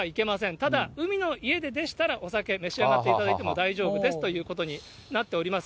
ただ、海の家ででしたらお酒、召し上がっていただいても大丈夫ですということになっております。